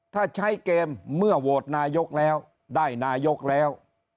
ถ้าใช้เกมเมื่อโหวตนายกแล้วได้นายกแล้ว